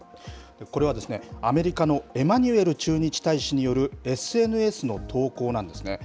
これはアメリカのエマニュエル駐日大使によるＳＮＳの投稿なんですね。